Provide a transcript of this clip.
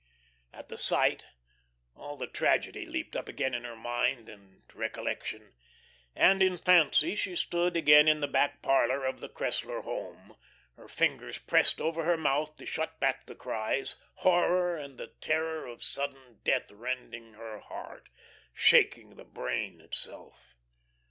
At the sight, all the tragedy leaped up again in her mind and recollection, and in fancy she stood again in the back parlour of the Cressler home; her fingers pressed over her mouth to shut back the cries, horror and the terror of sudden death rending her heart, shaking the brain itself.